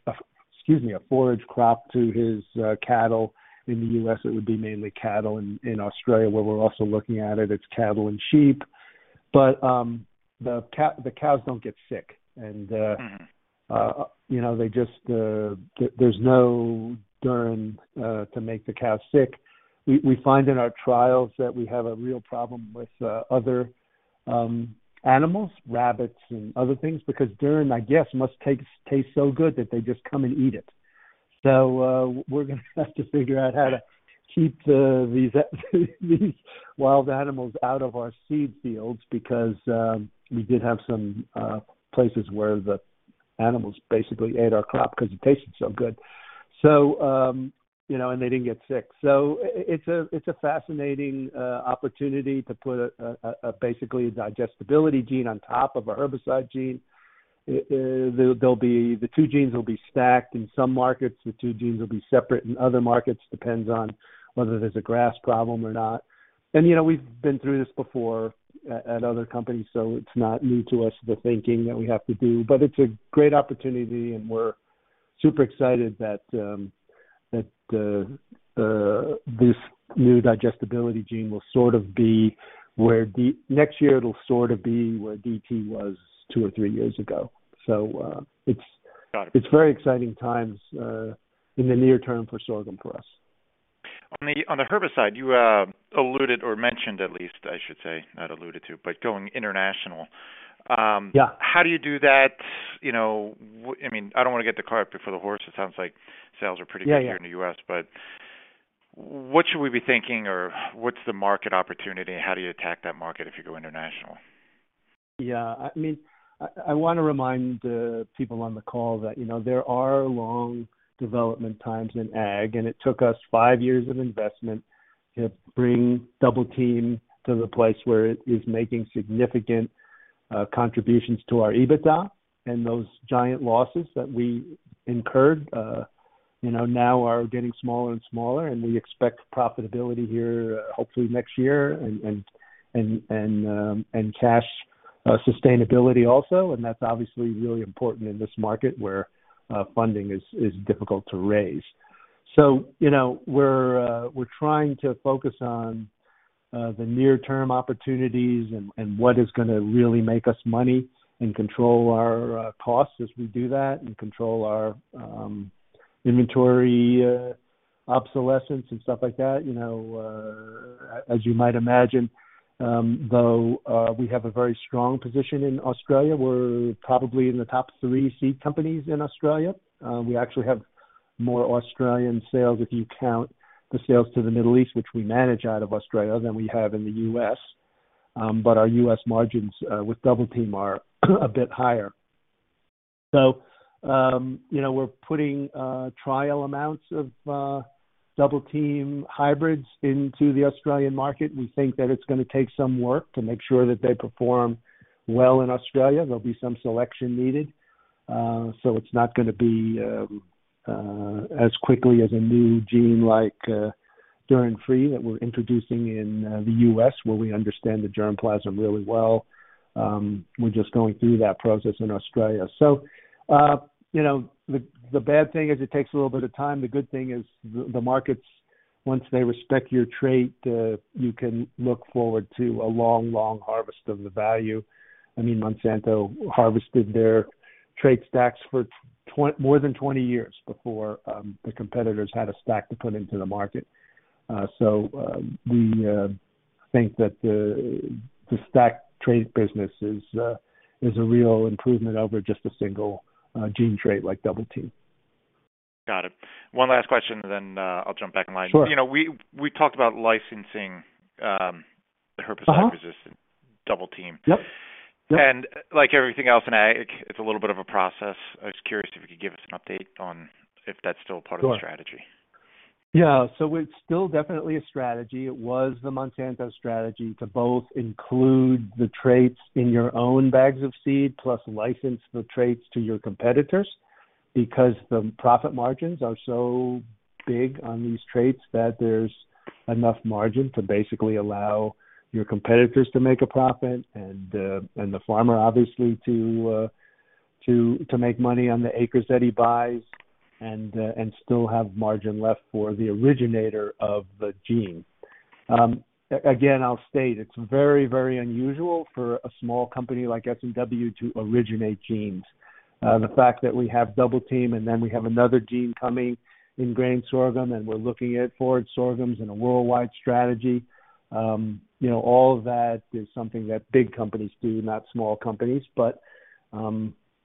Speaker 3: crop to his cattle. In the U.S., it would be mainly cattle. In Australia, where we're also looking at it's cattle and sheep. The cows don't get sick.
Speaker 6: Mm-hmm.
Speaker 3: You know, they just. There's no germ to make the cows sick. We find in our trials that we have a real problem with other animals, rabbits and other things, because germ, I guess, must taste so good that they just come and eat it. We're gonna have to figure out how to keep these wild animals out of our seed fields because we did have some places where the animals basically ate our crop because it tasted so good. You know, and they didn't get sick. It's a fascinating opportunity to put a basically digestibility gene on top of a herbicide gene. The two genes will be stacked in some markets. The two genes will be separate in other markets, depends on whether there's a grass problem or not. You know, we've been through this before at other companies, so it's not new to us, the thinking that we have to do. It's a great opportunity, and we're super excited that this new digestibility gene Next year, it'll sort of be where DT was two or three years ago.
Speaker 6: Got it.
Speaker 3: It's very exciting times, in the near term for sorghum for us.
Speaker 6: On the herbicide, you alluded or mentioned at least, I should say, not alluded to, but going international.
Speaker 3: Yeah.
Speaker 6: How do you do that? You know, I mean, I don't want to get the cart before the horse. It sounds like sales are pretty good-
Speaker 3: Yeah, yeah.
Speaker 6: here in the U.S. what should we be thinking or what's the market opportunity, and how do you attack that market if you go international?
Speaker 3: I mean, I wanna remind the people on the call that, you know, there are long development times in ag, it took us five years of investment to bring Double Team to the place where it is making significant contributions to our EBITDA and those giant losses that we incurred, you know, now are getting smaller and smaller. We expect profitability here, hopefully next year and cash sustainability also. That's obviously really important in this market where funding is difficult to raise. You know, we're trying to focus on the near-term opportunities and what is gonna really make us money and control our costs as we do that and control our inventory obsolescence and stuff like that. You know, as you might imagine, though, we have a very strong position in Australia. We're probably in the top three seed companies in Australia. We actually have more Australian sales if you count the sales to the Middle East, which we manage out of Australia, than we have in the U.S. Our U.S. margins with Double Team are a bit higher. You know, we're putting trial amounts of Double Team hybrids into the Australian market. We think that it's gonna take some work to make sure that they perform well in Australia. There'll be some selection needed. It's not gonna be as quickly as a new gene like Germ-Free that we're introducing in the U.S., where we understand the germplasm really well. We're just going through that process in Australia. You know, the bad thing is it takes a little bit of time. The good thing is the markets, once they respect your trait, you can look forward to a long, long harvest of the value. I mean, Monsanto harvested their trait stacks for more than 20 years before the competitors had a stack to put into the market. We think that the stack trait business is a real improvement over just a single gene trait like Double Team.
Speaker 6: Got it. One last question then, I'll jump back in line.
Speaker 3: Sure.
Speaker 6: You know, we talked about licensing resistant Double Team.
Speaker 3: Yep.
Speaker 6: Like everything else in Ag, it's a little bit of a process. I was curious if you could give us an update on if that's still part of the strategy.
Speaker 3: Sure. Yeah. It's still definitely a strategy. It was the Monsanto strategy to both include the traits in your own bags of seed, plus license the traits to your competitors. The profit margins are so big on these traits that there's enough margin to basically allow your competitors to make a profit and the farmer obviously to make money on the acres that he buys and still have margin left for the originator of the gene. Again, I'll state it's very, very unusual for a small company like S&W to originate genes. The fact that we have Double Team, and then we have another gene coming in grain sorghum, and we're looking at forage sorghums in a worldwide strategy. You know, all of that is something that big companies do, not small companies.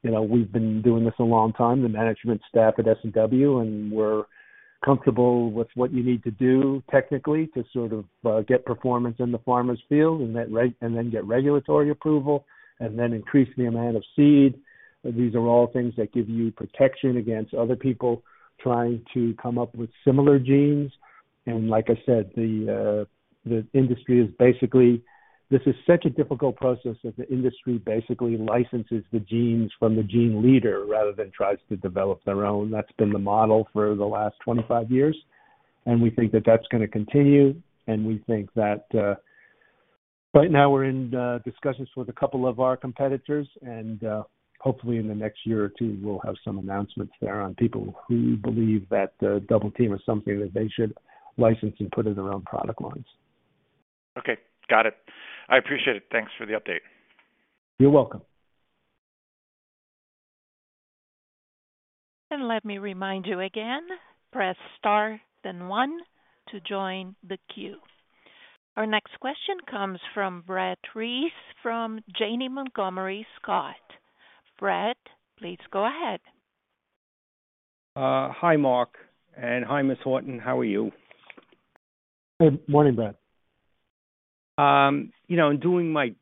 Speaker 3: You know, we've been doing this a long time, the management staff at S&W, and we're comfortable with what you need to do technically to sort of get performance in the farmer's field and then get regulatory approval and then increase the amount of seed. These are all things that give you protection against other people trying to come up with similar genes. Like I said, the industry is basically. This is such a difficult process that the industry basically licenses the genes from the gene leader rather than tries to develop their own. That's been the model for the last 25 years, and we think that that's gonna continue, and we think that, right now we're in discussions with a couple of our competitors and, hopefully in the next year or two, we'll have some announcements there on people who believe that, Double Team is something that they should license and put in their own product lines.
Speaker 6: Okay. Got it. I appreciate it. Thanks for the update.
Speaker 3: You're welcome.
Speaker 1: Let me remind you again, press star then one to join the queue. Our next question comes from Brett Reiss from Janney Montgomery Scott. Brett, please go ahead.
Speaker 7: hi, Mark. Hi, Ms. Horton. How are you?
Speaker 3: Good morning, Brett Reiss.
Speaker 7: You know, in doing my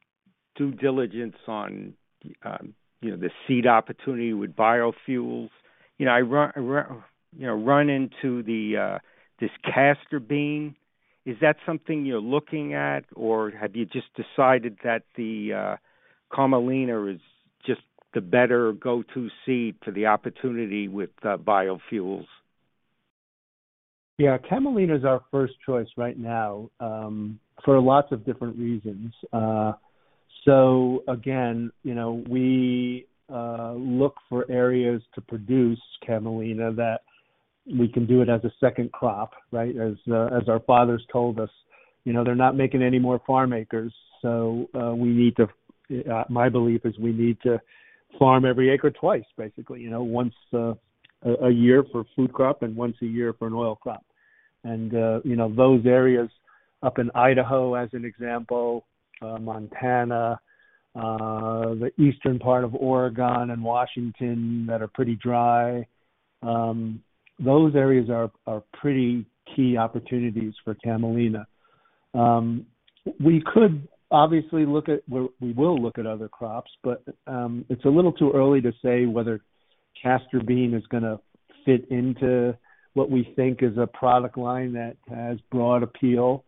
Speaker 7: due diligence on, you know, the seed opportunity with biofuels, you know, I run into this castor bean. Is that something you're looking at or have you just decided that the camelina is just the better go-to seed to the opportunity with biofuels?
Speaker 3: Yeah. Camelina is our first choice right now, for lots of different reasons. Again, you know, we look for areas to produce camelina that we can do it as a second crop, right? As our fathers told us. You know, they're not making any more farm acres, my belief is we need to farm every acre twice, basically. You know, once a year for food crop and once a year for an oil crop. You know, those areas up in Idaho, as an example, Montana, the eastern part of Oregon and Washington that are pretty dry, those areas are pretty key opportunities for camelina. We could obviously look at other crops, but it's a little too early to say whether castor bean is gonna fit into what we think is a product line that has broad appeal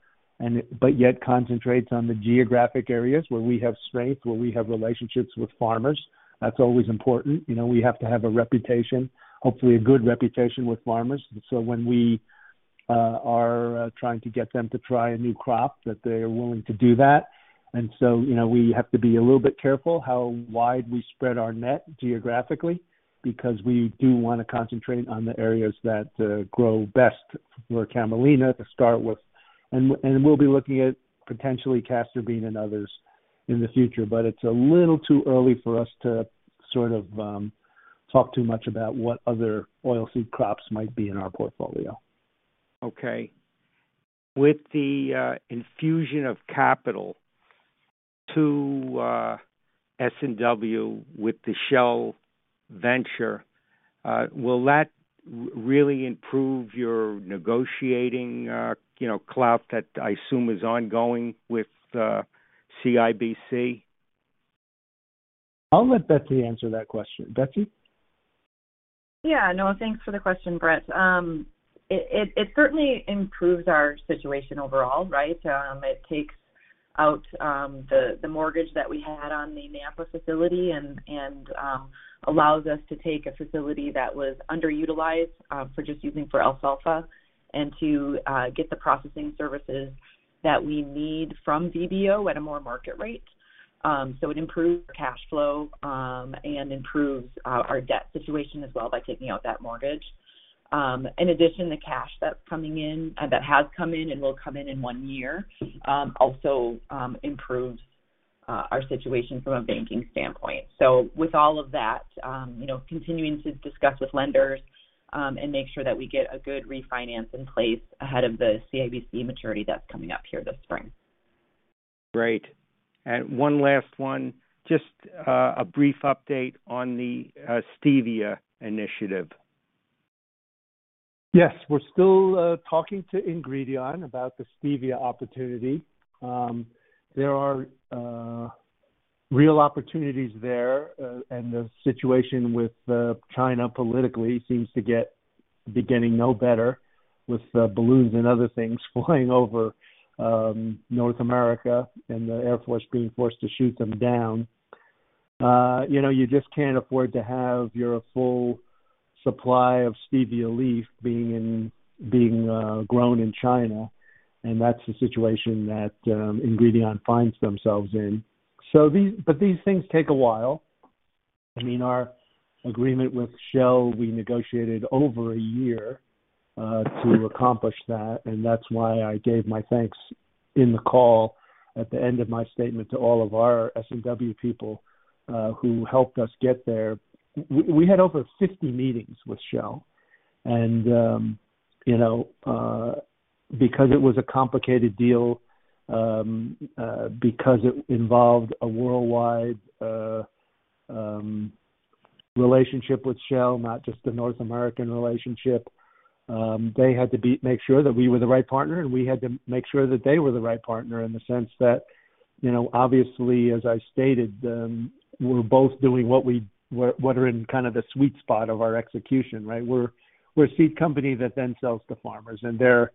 Speaker 3: but yet concentrates on the geographic areas where we have strength, where we have relationships with farmers. That's always important. You know, we have to have a reputation, hopefully a good reputation with farmers. When we are trying to get them to try a new crop that they're willing to do that. You know, we have to be a little bit careful how wide we spread our net geographically, because we do wanna concentrate on the areas that grow best for camelina to start with. And we'll be looking at potentially castor bean and others in the future, but it's a little too early for us to sort of, talk too much about what other oilseed crops might be in our portfolio.
Speaker 7: With the infusion of capital to S&W with the Shell venture, will that really improve your negotiating, you know, clout that I assume is ongoing with CIBC?
Speaker 3: I'll let Betsy answer that question. Betsy.
Speaker 4: Yeah. No, thanks for the question, Brett. It certainly improves our situation overall, right? It takes out the mortgage that we had on the Nampa facility and allows us to take a facility that was underutilized for just using for alfalfa and to get the processing services that we need from VBO at a more market rate. It improves cash flow and improves our debt situation as well by taking out that mortgage. In addition, the cash that's coming in that has come in and will come in in one year also improves. Our situation from a banking standpoint. With all of that, you know, continuing to discuss with lenders, and make sure that we get a good refinance in place ahead of the CIBC maturity that's coming up here this spring.
Speaker 7: Great. One last one. Just a brief update on the stevia initiative.
Speaker 3: Yes. We're still talking to Ingredion about the stevia opportunity. There are real opportunities there, and the situation with China politically seems to be getting no better with the balloons and other things flying over North America and the Air Force being forced to shoot them down. You know, you just can't afford to have your full supply of stevia leaf being grown in China, and that's the situation that Ingredion finds themselves in. These things take a while. I mean, our agreement with Shell, we negotiated over a year to accomplish that, and that's why I gave my thanks in the call at the end of my statement to all of our S&W people who helped us get there. We had over 50 meetings with Shell and, you know, because it was a complicated deal, because it involved a worldwide relationship with Shell, not just the North American relationship, they had to make sure that we were the right partner, and we had to make sure that they were the right partner in the sense that, you know, obviously, as I stated, we're both doing what are in kind of the sweet spot of our execution, right? We're a seed company that then sells to farmers, and they're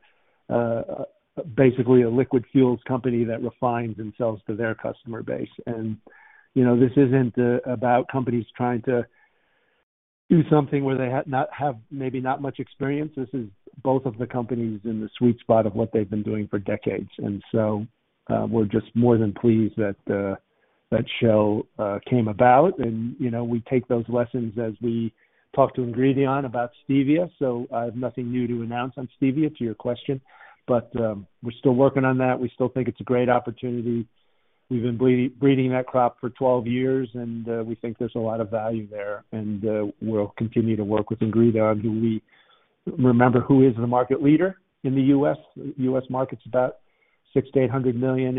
Speaker 3: basically a liquid fuels company that refines and sells to their customer base. You know, this isn't about companies trying to do something where they have maybe not much experience. This is both of the companies in the sweet spot of what they've been doing for decades. We're just more than pleased that Shell came about. You know, we take those lessons as we talk to Ingredion about stevia. I have nothing new to announce on stevia to your question, but we're still working on that. We still think it's a great opportunity. We've been breeding that crop for 12 years, and we think there's a lot of value there. We'll continue to work with Ingredion, who we remember is the market leader in the U.S. U.S. market's about $600 million-$800 million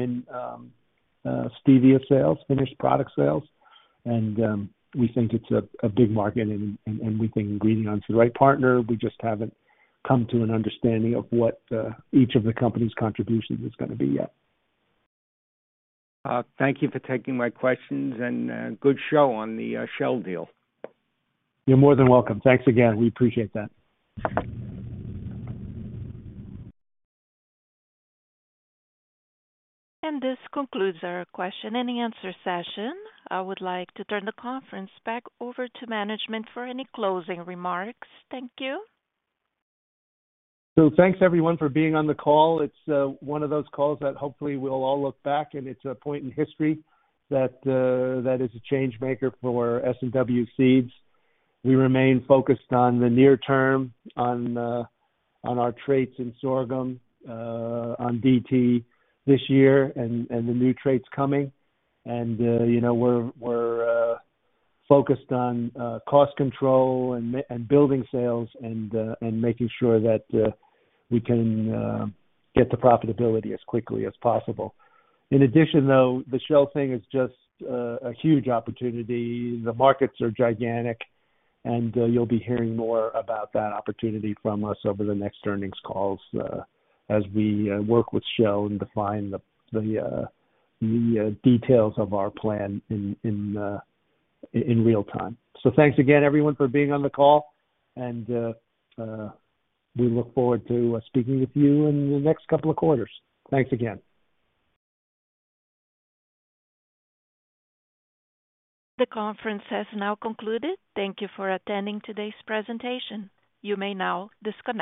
Speaker 3: in stevia sales, finished product sales. We think it's a big market and we think Ingredion's the right partner. We just haven't come to an understanding of what each of the company's contribution is gonna be yet.
Speaker 7: Thank you for taking my questions and, good show on the Shell deal.
Speaker 3: You're more than welcome. Thanks again. We appreciate that.
Speaker 1: This concludes our question-and-answer session. I would like to turn the conference back over to management for any closing remarks. Thank you.
Speaker 3: Thanks everyone for being on the call. It's one of those calls that hopefully we'll all look back and it's a point in history that is a change maker for S&W Seeds. We remain focused on the near term, on our traits in sorghum, on BT this year and the new traits coming. You know, we're focused on cost control and building sales and making sure that we can get to profitability as quickly as possible. In addition, though, the Shell thing is just a huge opportunity. The markets are gigantic. You'll be hearing more about that opportunity from us over the next earnings calls, as we work with Shell and define the details of our plan in real time. Thanks again everyone for being on the call. We look forward to speaking with you in the next couple of quarters. Thanks again.
Speaker 1: The conference has now concluded. Thank you for attending today's presentation. You may now disconnect.